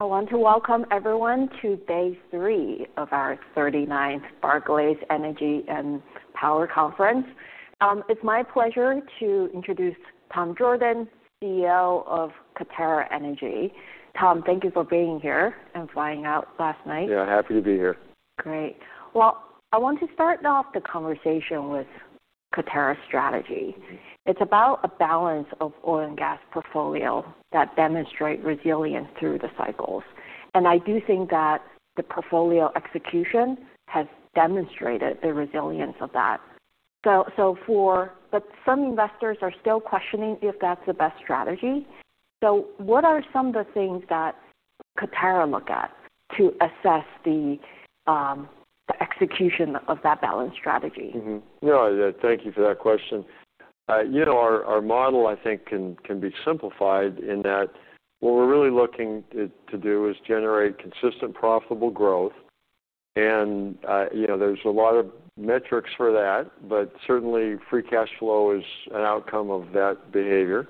I want to welcome everyone to day three of our 39th Barclays Energy and Power Conference. It's my pleasure to introduce Tom Jorden, CEO of Coterra Energy. Tom, thank you for being here and flying out last night. Yeah, happy to be here. Great. Well, I want to start off the conversation with Coterra's strategy. It's about a balance of oil and gas portfolio that demonstrate resilience through the cycles, and I do think that the portfolio execution has demonstrated the resilience of that. So, but some investors are still questioning if that's the best strategy. So what are some of the things that Coterra look at to assess the execution of that balance strategy? Mm-hmm. No, thank you for that question. You know, our model, I think, can be simplified in that what we're really looking to do is generate consistent, profitable growth. And you know, there's a lot of metrics for that, but certainly free cash flow is an outcome of that behavior,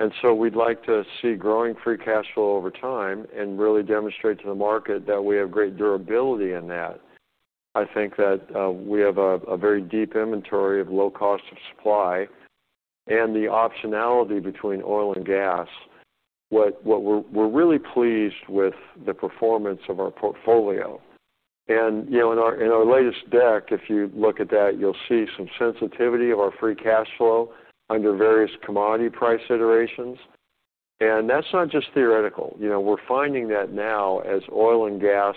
and so we'd like to see growing free cash flow over time and really demonstrate to the market that we have great durability in that. I think that we have a very deep inventory of low cost of supply and the optionality between oil and gas. What we're really pleased with the performance of our portfolio. And you know, in our latest deck, if you look at that, you'll see some sensitivity of our free cash flow under various commodity price iterations, and that's not just theoretical. You know, we're finding that now as oil and gas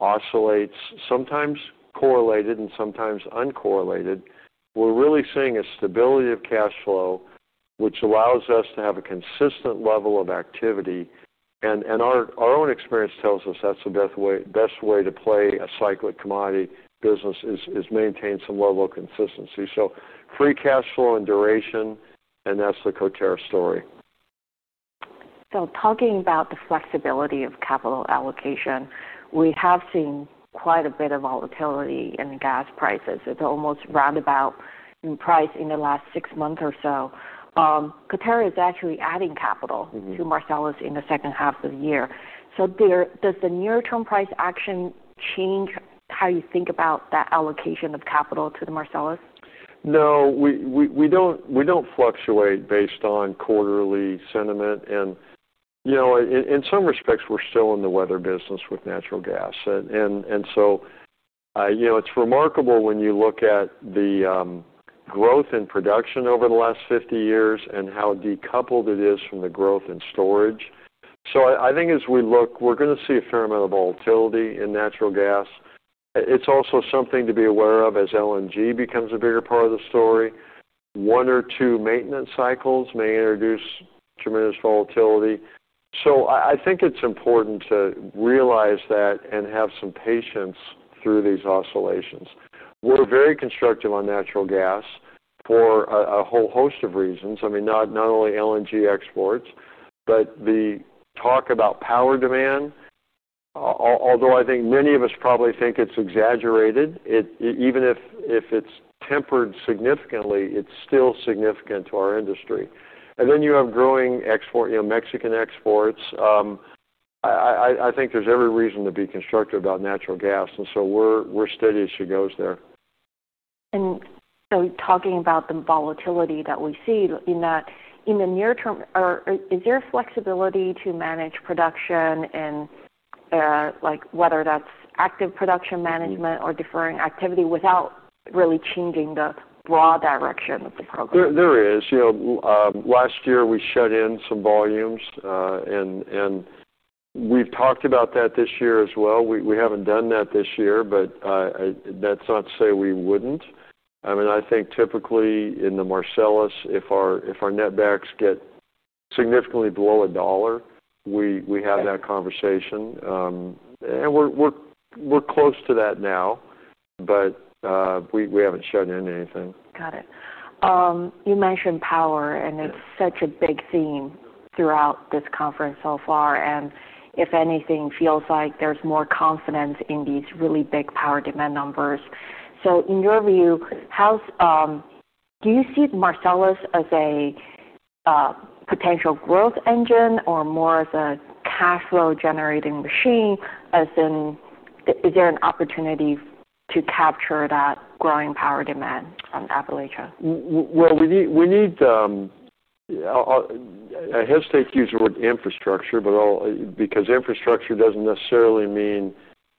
oscillates, sometimes correlated and sometimes uncorrelated, we're really seeing a stability of cash flow, which allows us to have a consistent level of activity. And our own experience tells us that's the best way to play a cyclic commodity business is to maintain some level of consistency. So free cash flow and duration, and that's the Coterra story. So talking about the flexibility of capital allocation, we have seen quite a bit of volatility in gas prices. It's almost roundabout in price in the last six months or so. Coterra is actually adding capital- Mm-hmm. to Marcellus in the second half of the year. So does the near-term price action change how you think about that allocation of capital to the Marcellus? No, we don't fluctuate based on quarterly sentiment. And, you know, in some respects, we're still in the weather business with natural gas. And so, you know, it's remarkable when you look at the growth in production over the last 50 years and how decoupled it is from the growth in storage. So I think as we look, we're going to see a fair amount of volatility in natural gas. It's also something to be aware of as LNG becomes a bigger part of the story. One or two maintenance cycles may introduce tremendous volatility. So I think it's important to realize that and have some patience through these oscillations. We're very constructive on natural gas for a whole host of reasons. I mean, not only LNG exports, but the talk about power demand, although I think many of us probably think it's exaggerated, even if it's tempered significantly, it's still significant to our industry, and then you have growing export, you know, Mexican exports. I think there's every reason to be constructive about natural gas, and so we're steady as she goes there. And so talking about the volatility that we see in that, in the near term, is there a flexibility to manage production and, like whether that's active production management or differing activity without really changing the broad direction of the program? There is. You know, last year, we shut in some volumes, and we've talked about that this year as well. We haven't done that this year, but that's not to say we wouldn't. I mean, I think typically in the Marcellus, if our netbacks get significantly below $1, we have- Right... that conversation, and we're close to that now, but we haven't shut in anything. Got it. You mentioned power- Yeah... and it's such a big theme throughout this conference so far, and if anything, feels like there's more confidence in these really big power demand numbers. So in your view, how's do you see Marcellus as a potential growth engine or more as a cash flow generating machine, as in, is there an opportunity to capture that growing power demand from Appalachia? We need. I hesitate to use the word infrastructure, but because infrastructure doesn't necessarily mean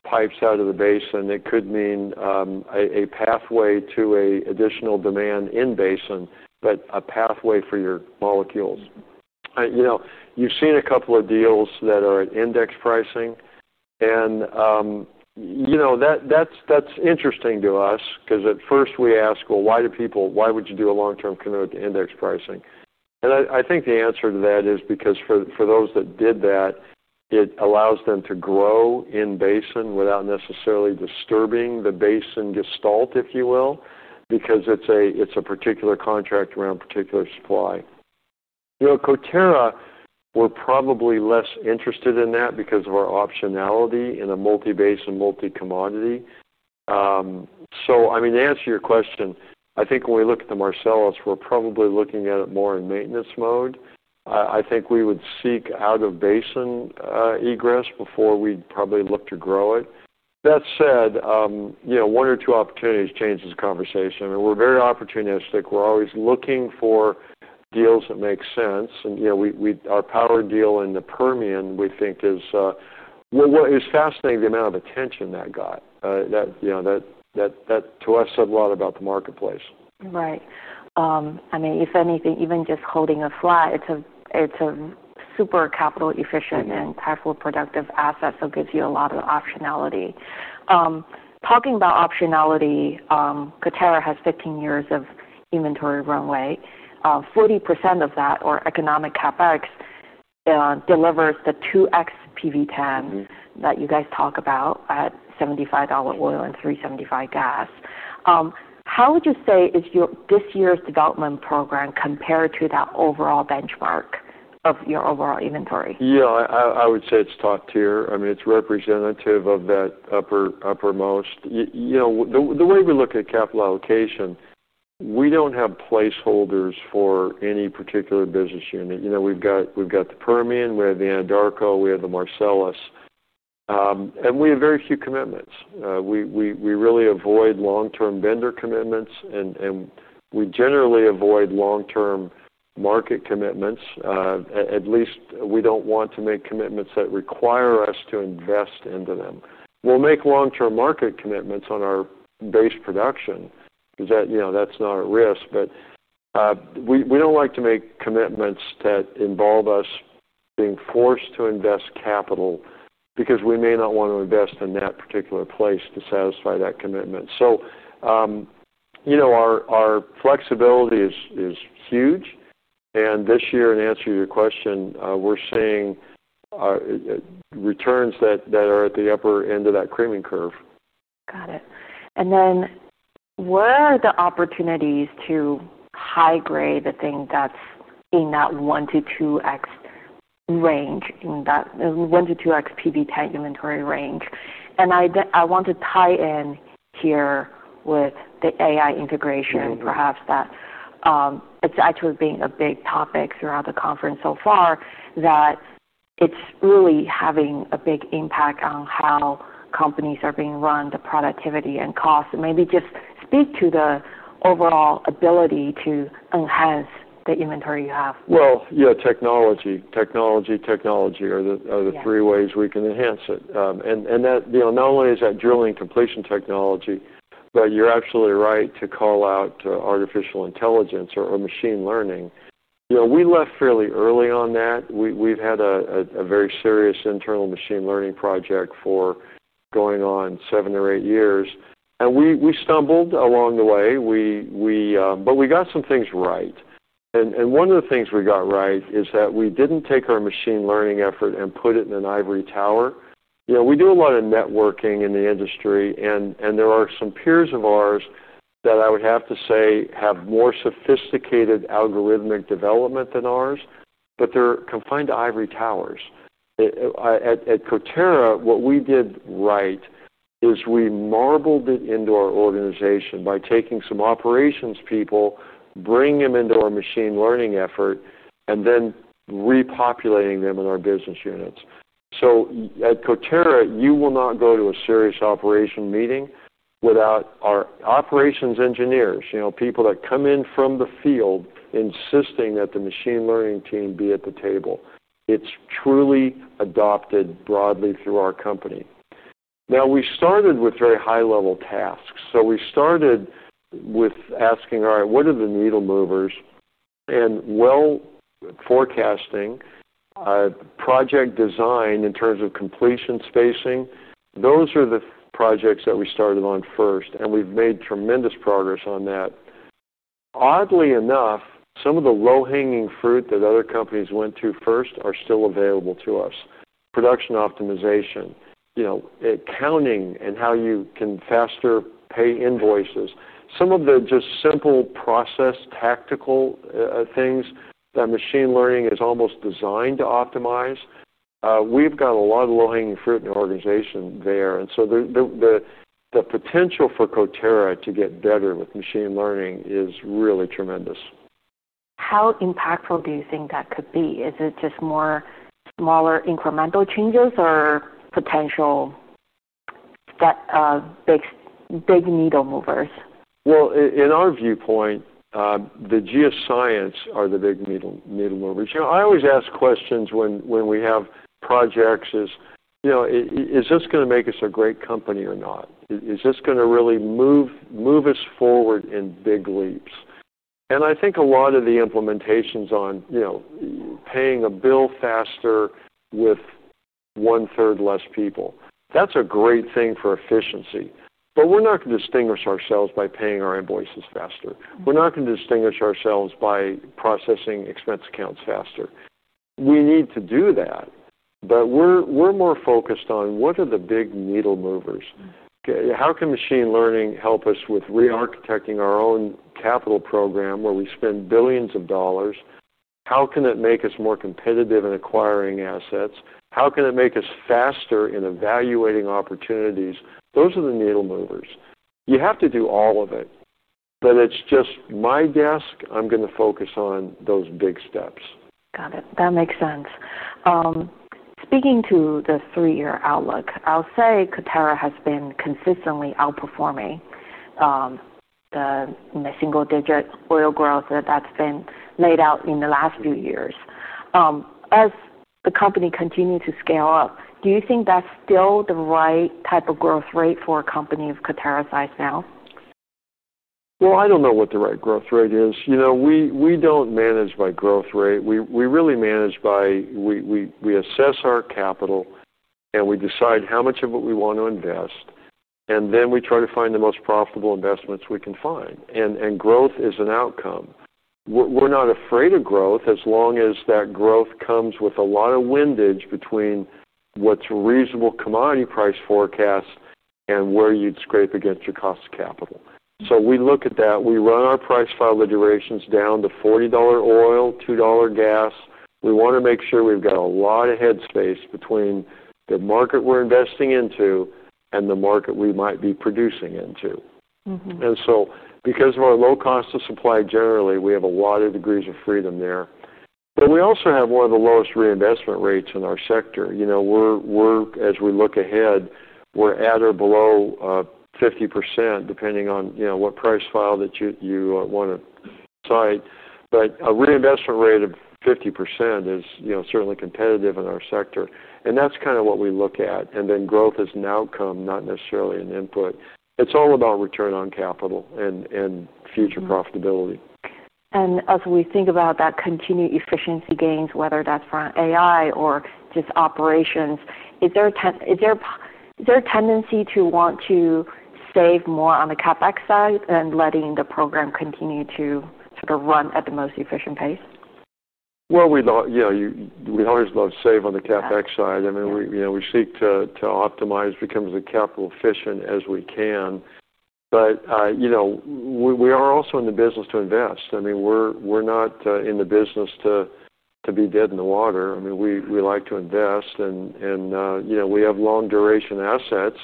pipes out of the basin. It could mean a pathway to an additional demand in basin, but a pathway for your molecules. You know, you've seen a couple of deals that are at index pricing, and you know, that's interesting to us because at first we ask: Well, why would you do a long-term contract to index pricing? And I think the answer to that is because for those that did that, it allows them to grow in basin without necessarily disturbing the basin gestalt, if you will, because it's a particular contract around a particular supply. You know, Coterra, we're probably less interested in that because of our optionality in a multi-basin, multi-commodity. So I mean, to answer your question, I think when we look at the Marcellus, we're probably looking at it more in maintenance mode. I think we would seek out of basin egress before we'd probably look to grow it. That said, you know, one or two opportunities changes this conversation, and we're very opportunistic. We're always looking for deals that make sense, and, you know, we our power deal in the Permian, we think, is. Well, what it was fascinating the amount of attention that got. That, you know, to us, said a lot about the marketplace. Right. I mean, if anything, even just holding a flat, it's a super capital efficient- Mm-hmm. -and powerful, productive asset, so it gives you a lot of optionality. Talking about optionality, Coterra has 15 years of inventory runway. Forty percent of that or economic CapEx, delivers the 2x PV-10- Mm-hmm. -that you guys talk about at $75 oil and $3.75 gas. How would you say is your this year's development program compared to that overall benchmark of your overall inventory? Yeah, I would say it's top tier. I mean, it's representative of that upper, uppermost, you know, the way we look at capital allocation, we don't have placeholders for any particular business unit. You know, we've got the Permian, we have the Anadarko, we have the Marcellus, and we have very few commitments. We really avoid long-term vendor commitments, and we generally avoid long-term market commitments. At least, we don't want to make commitments that require us to invest into them. We'll make long-term market commitments on our base production because that, you know, that's not at risk. But we don't like to make commitments that involve us being forced to invest capital because we may not want to invest in that particular place to satisfy that commitment. You know, our flexibility is huge, and this year, in answer to your question, we're seeing returns that are at the upper end of that creaming curve. Got it. And then, what are the opportunities to high grade the thing that's in that 1x-2x range, in that 1x-2x PV-10 inventory range? And I want to tie in here with the AI integration- Mm-hmm. Perhaps that, it's actually being a big topic throughout the conference so far, that it's really having a big impact on how companies are being run, the productivity and cost. So maybe just speak to the overall ability to enhance the inventory you have. Well, yeah, technology, technology, technology Yeah... are the three ways we can enhance it. And that, you know, not only is that drilling completion technology, but you're absolutely right to call out artificial intelligence or machine learning. You know, we left fairly early on that. We've had a very serious internal machine learning project for going on seven or eight years, and we stumbled along the way. We... But we got some things right, and one of the things we got right is that we didn't take our machine learning effort and put it in an ivory tower. You know, we do a lot of networking in the industry, and there are some peers of ours that I would have to say have more sophisticated algorithmic development than ours, but they're confined to ivory towers. At Coterra, what we did right is we marbled it into our organization by taking some operations people, bringing them into our machine learning effort, and then repopulating them in our business units. So at Coterra, you will not go to a serious operation meeting without our operations engineers, you know, people that come in from the field, insisting that the machine learning team be at the table. It's truly adopted broadly through our company. Now, we started with very high-level tasks. So we started with asking, "All right, what are the needle movers?" And well, forecasting, project design in terms of completion spacing, those are the projects that we started on first, and we've made tremendous progress on that. Oddly enough, some of the low-hanging fruit that other companies went to first are still available to us. Production optimization, you know, accounting and how you can faster pay invoices. Some of the just simple process, tactical, things that machine learning is almost designed to optimize, we've got a lot of low-hanging fruit in the organization there. And so the potential for Coterra to get better with machine learning is really tremendous. How impactful do you think that could be? Is it just more smaller, incremental changes or potential that, big, big needle movers? In our viewpoint, the geoscience are the big needle movers. You know, I always ask questions when we have projects is, you know, is this gonna make us a great company or not? Is this gonna really move us forward in big leaps? And I think a lot of the implementations on, you know, paying a bill faster with 1/3 less people, that's a great thing for efficiency, but we're not gonna distinguish ourselves by paying our invoices faster. We're not gonna distinguish ourselves by processing expense accounts faster. We need to do that, but we're more focused on what are the big needle movers? Mm. How can machine learning help us with re-architecting our own capital program, where we spend billions of dollars? How can it make us more competitive in acquiring assets? How can it make us faster in evaluating opportunities? Those are the needle movers. You have to do all of it, but it's just my guess. I'm gonna focus on those big steps. Got it. That makes sense. Speaking to the three-year outlook, I'll say Coterra has been consistently outperforming the mid-single-digit oil growth that's been laid out in the last few years. As the company continue to scale up, do you think that's still the right type of growth rate for a company of Coterra's size now? I don't know what the right growth rate is. You know, we don't manage by growth rate. We really manage by. We assess our capital, and we decide how much of it we want to invest, and then we try to find the most profitable investments we can find. And growth is an outcome. We're not afraid of growth as long as that growth comes with a lot of windage between what's reasonable commodity price forecast and where you'd scrape against your cost of capital. So we look at that. We run our price file durations down to $40 oil, $2 gas. We wanna make sure we've got a lot of head space between the market we're investing into and the market we might be producing into. Mm-hmm. And so, because of our low cost of supply, generally, we have a lot of degrees of freedom there. But we also have one of the lowest reinvestment rates in our sector. You know, as we look ahead, we're at or below 50%, depending on, you know, what price file that you wanna cite. But a reinvestment rate of 50% is, you know, certainly competitive in our sector, and that's kind of what we look at, and then growth is an outcome, not necessarily an input. It's all about return on capital and Mm-hmm... future profitability. As we think about that continued efficiency gains, whether that's from AI or just operations, is there a tendency to want to save more on the CapEx side than letting the program continue to sort of run at the most efficient pace? We don't. You know, we always love save on the CapEx side. Yeah. I mean, we, you know, we seek to optimize, become as capital efficient as we can. But, you know, we are also in the business to invest. I mean, we're not in the business to be dead in the water. I mean, we like to invest, and, you know, we have long-duration assets,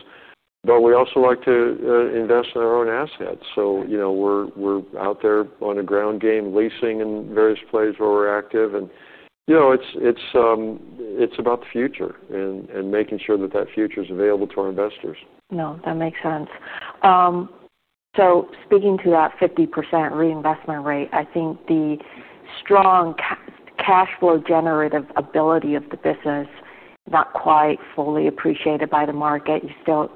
but we also like to invest in our own assets. So, you know, we're out there on the ground game, leasing in various places where we're active. And, you know, it's about the future and making sure that that future is available to our investors. No, that makes sense. So speaking to that 50% reinvestment rate, I think the strong cash flow generative ability of the business is not quite fully appreciated by the market. You still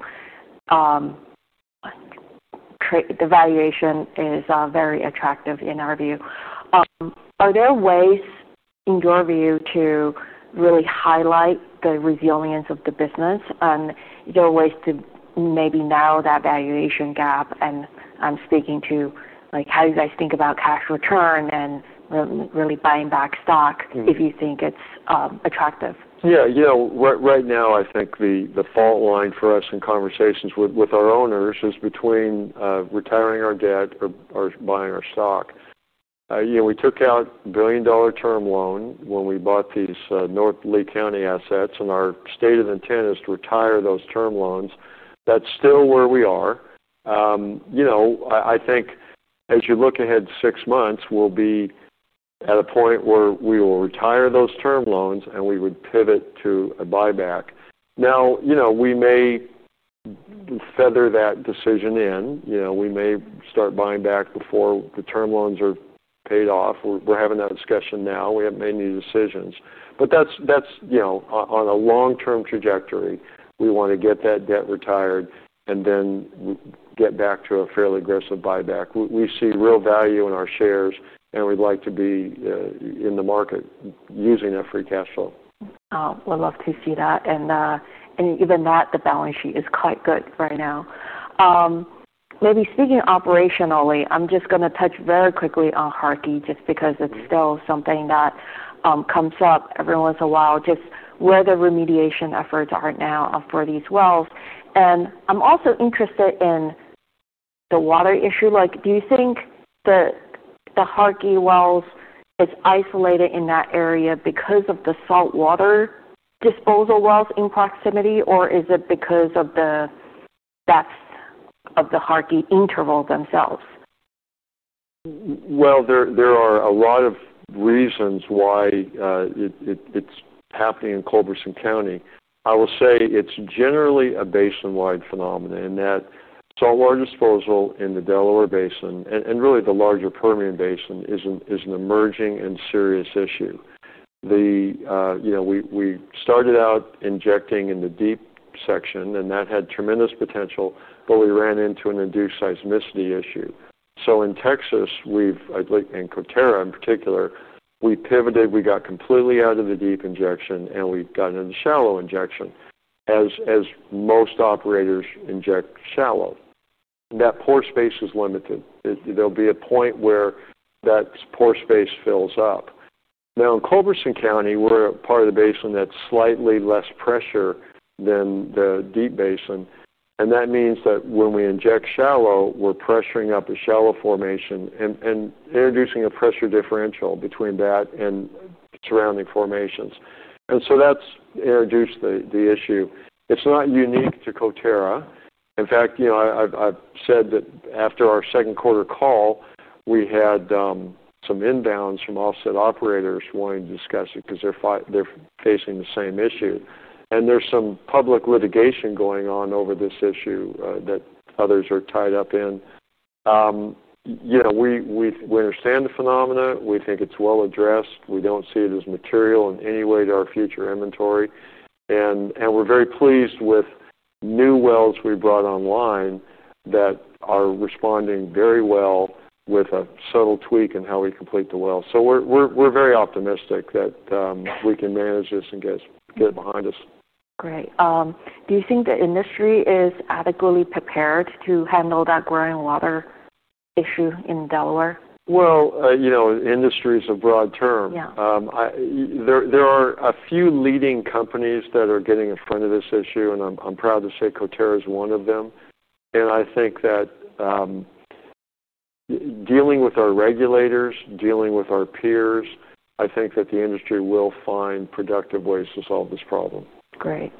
create. The valuation is very attractive in our view. Are there ways, in your view, to really highlight the resilience of the business? And are there ways to maybe narrow that valuation gap? And I'm speaking to, like, how do you guys think about cash return and really buying back stock- Mm-hmm... if you think it's attractive? Yeah. You know, right now, I think the fault line for us in conversations with our owners is between retiring our debt or buying our stock. You know, we took out a $1 billion term loan when we bought these North Lea County assets, and our state of intent is to retire those term loans. That's still where we are. You know, I think as you look ahead six months, we'll be at a point where we will retire those term loans, and we would pivot to a buyback. Now, you know, we may feather that decision in. You know, we may start buying back before the term loans are paid off. We're having that discussion now. We haven't made any decisions. But that's, you know, on a long-term trajectory. We wanna get that debt retired and then get back to a fairly aggressive buyback. We see real value in our shares, and we'd like to be in the market using that free cash flow. Would love to see that. Even that, the balance sheet is quite good right now. Maybe speaking operationally, I'm just gonna touch very quickly on Harkey, just because- Mm-hmm... it's still something that comes up every once in a while, just where the remediation efforts are now for these wells. And I'm also interested in the water issue. Like, do you think the, the Harkey wells is isolated in that area because of the saltwater disposal wells in proximity, or is it because of the depth of the Harkey interval themselves? There are a lot of reasons why it's happening in Culberson County. I will say it's generally a basin-wide phenomenon, in that saltwater disposal in the Delaware Basin, and really the larger Permian Basin, is an emerging and serious issue. You know, we started out injecting in the deep section, and that had tremendous potential, but we ran into an induced seismicity issue. So in Texas, we've, I believe, Coterra, in particular, we pivoted. We got completely out of the deep injection, and we've gone into shallow injection, as most operators inject shallow. That pore space is limited. There'll be a point where that pore space fills up. Now, in Culberson County, we're a part of the basin that's slightly less pressure than the deep basin. And that means that when we inject shallow, we're pressuring up a shallow formation and introducing a pressure differential between that and surrounding formations. And so that's introduced the issue. It's not unique to Coterra. In fact, you know, I've said that after our second quarter call, we had some inbounds from offset operators wanting to discuss it because they're facing the same issue. And there's some public litigation going on over this issue that others are tied up in. You know, we understand the phenomena. We think it's well addressed. We don't see it as material in any way to our future inventory, and we're very pleased with new wells we brought online that are responding very well with a subtle tweak in how we complete the well. So we're very optimistic that we can manage this and get it behind us. Great. Do you think the industry is adequately prepared to handle that growing water issue in Delaware? Well, you know, industry is a broad term. Yeah. There are a few leading companies that are getting in front of this issue, and I'm proud to say Coterra is one of them, and I think that, dealing with our regulators, dealing with our peers, I think that the industry will find productive ways to solve this problem. Great.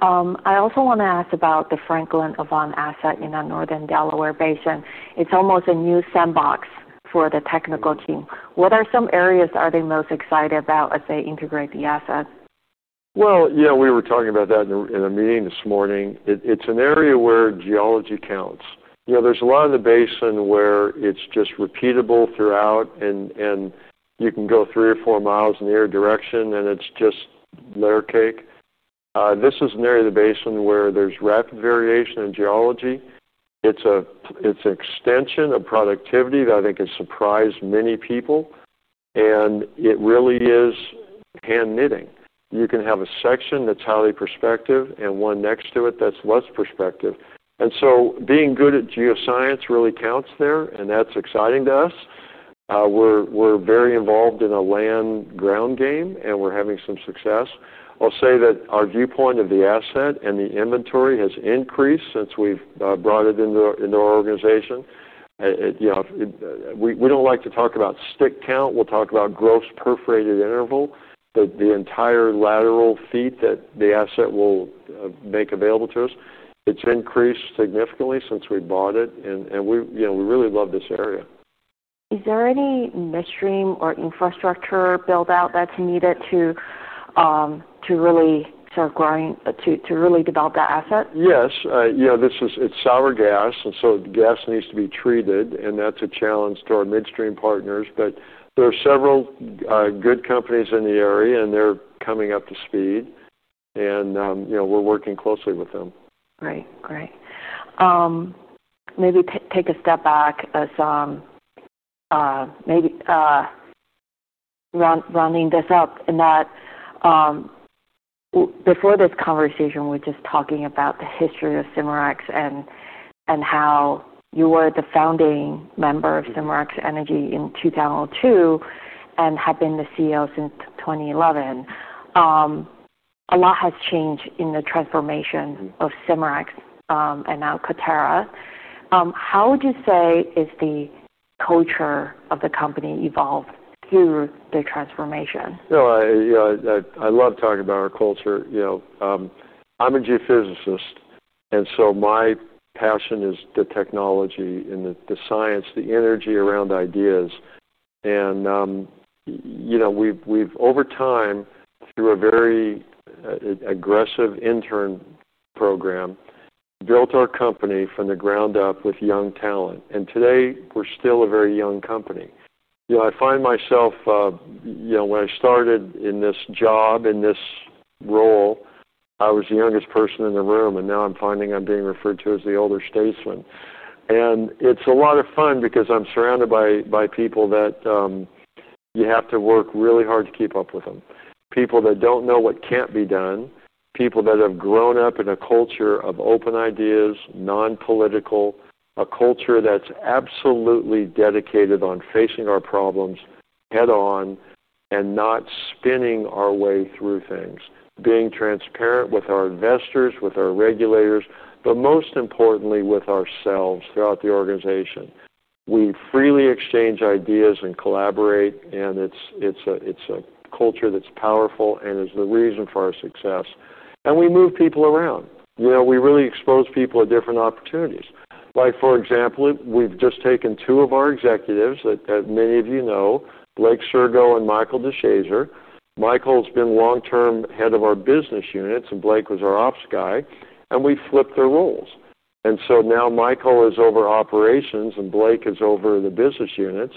I also want to ask about the Franklin Avant asset in the Northern Delaware Basin. It's almost a new sandbox for the technical team. What are some areas are they most excited about as they integrate the asset? Yeah, we were talking about that in a meeting this morning. It's an area where geology counts. You know, there's a lot of the basin where it's just repeatable throughout, and you can go 3 mi or 4 mi in any direction, and it's just layer cake. This is an area of the basin where there's rapid variation in geology. It's an extension of productivity that I think has surprised many people, and it really is hand knitting. You can have a section that's highly prospective and one next to it that's less prospective. And so being good at geoscience really counts there, and that's exciting to us. We're very involved in a land ground game, and we're having some success. I'll say that our viewpoint of the asset and the inventory has increased since we've brought it into our organization. You know, we don't like to talk about stick count. We'll talk about gross perforated interval, the entire lateral feet that the asset will make available to us. It's increased significantly since we bought it, and we really love this area. Is there any midstream or infrastructure build-out that's needed to really develop that asset? Yes. You know, it's sour gas, and so the gas needs to be treated, and that's a challenge to our midstream partners. But there are several good companies in the area, and they're coming up to speed, and you know, we're working closely with them. Great. Great. Maybe take a step back as, maybe, rounding this up, in that, before this conversation, we're just talking about the history of Cimarex and how you were the founding member of Cimarex Energy in 2002 and have been the CEO since 2011. A lot has changed in the transformation of Cimarex and now Coterra. How would you say has the culture of the company evolved through the transformation? So I love talking about our culture. You know, I'm a geophysicist, and so my passion is the technology and the science, the energy around ideas. And you know, we've over time, through a very aggressive intern program, built our company from the ground up with young talent, and today we're still a very young company. You know, I find myself, you know, when I started in this job, in this role, I was the youngest person in the room, and now I'm finding I'm being referred to as the older statesman. And it's a lot of fun because I'm surrounded by people that you have to work really hard to keep up with them. People that don't know what can't be done, people that have grown up in a culture of open ideas, non-political, a culture that's absolutely dedicated on facing our problems head-on and not spinning our way through things, being transparent with our investors, with our regulators, but most importantly, with ourselves throughout the organization. We freely exchange ideas and collaborate, and it's, it's a, it's a culture that's powerful and is the reason for our success, and we move people around. You know, we really expose people to different opportunities. Like, for example, we've just taken two of our executives that many of you know, Blake Sirgo and Michael DeShazer. Michael's been long-term head of our business units, and Blake was our ops guy, and we flipped their roles. And so now Michael is over operations, and Blake is over the business units,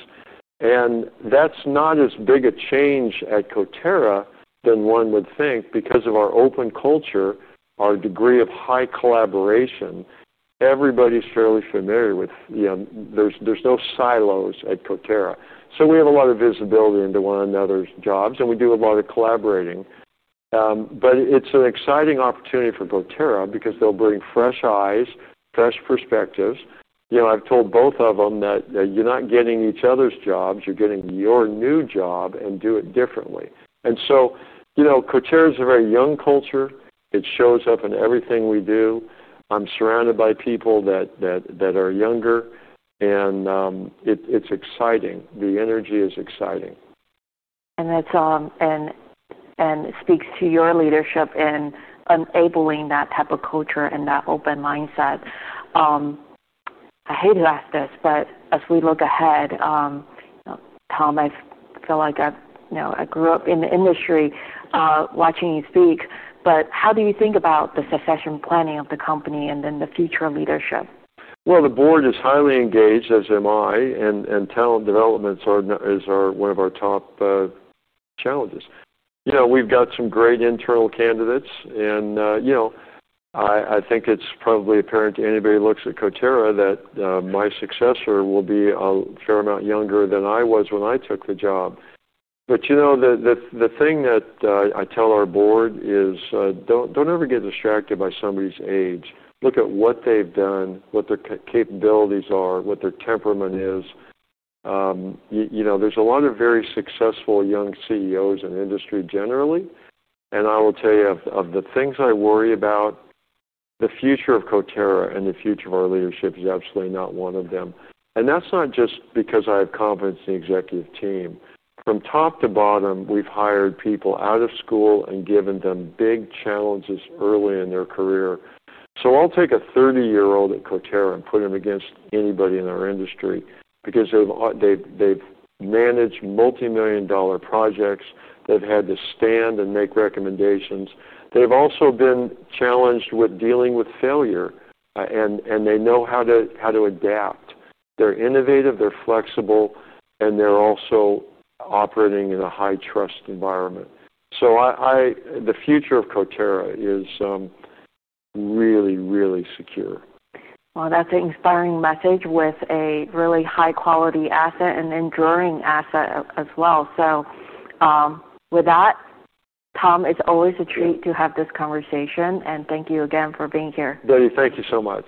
and that's not as big a change at Coterra than one would think because of our open culture, our degree of high collaboration. Everybody's fairly familiar with. You know, there's no silos at Coterra. So we have a lot of visibility into one another's jobs, and we do a lot of collaborating. But it's an exciting opportunity for Coterra because they'll bring fresh eyes, fresh perspectives. You know, I've told both of them that you're not getting each other's jobs, you're getting your new job, and do it differently. And so, you know, Coterra is a very young culture. It shows up in everything we do. I'm surrounded by people that are younger, and it's exciting. The energy is exciting. And that's, and speaks to your leadership in enabling that type of culture and that open mindset. I hate to ask this, but as we look ahead, you know, Tom, I feel like I've, you know, I grew up in the industry, watching you speak, but how do you think about the succession planning of the company and then the future leadership? The board is highly engaged, as am I, and talent development is one of our top challenges. You know, we've got some great internal candidates, and you know, I think it's probably apparent to anybody who looks at Coterra that my successor will be a fair amount younger than I was when I took the job. But you know, the thing that I tell our board is, "Don't ever get distracted by somebody's age. Look at what they've done, what their capabilities are, what their temperament is." You know, there's a lot of very successful young CEOs in the industry generally, and I will tell you, of the things I worry about, the future of Coterra and the future of our leadership is absolutely not one of them, and that's not just because I have confidence in the executive team. From top to bottom, we've hired people out of school and given them big challenges early in their career. So I'll take a 30-year-old at Coterra and put him against anybody in our industry because they've, they've managed multimillion-dollar projects. They've had to stand and make recommendations. They've also been challenged with dealing with failure, and they know how to adapt. They're innovative, they're flexible, and they're also operating in a high-trust environment. So I, the future of Coterra is, really, really secure. That's an inspiring message with a really high-quality asset and enduring asset as well. With that, Tom, it's always a treat to have this conversation, and thank you again for being here. Betty, thank you so much.